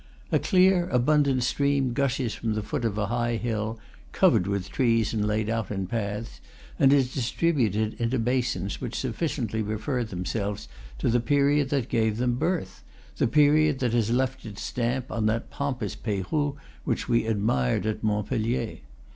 A clear, abundant stream gushes from the foot of a high hill (covered with trees and laid out in paths), and is distributed into basins which sufficiently refer themselves to the period that gave them birth, the period that has left its stamp on that pompous Peyrou which we ad mired at Montpellier.